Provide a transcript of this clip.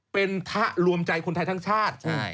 เป็นทะรวมใจคนไทยทั้งชาติ